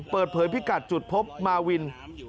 เปิดเผยพิกัดจุดพบมาวิน